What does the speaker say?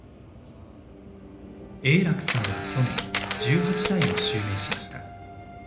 永樂さんは去年十八代を襲名しました。